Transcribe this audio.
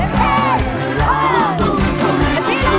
เดี๋ยวพีท